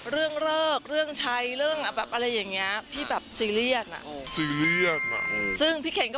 เรื่องเลิกเรื่องใช้เรื่องแบบอะไรอย่างเงี้ยพี่แบบซีเรียสน่ะซีเรียสน่ะซึ่งพี่เคนก็